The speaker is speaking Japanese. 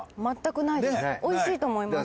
美味しいと思います。